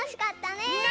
ねえ！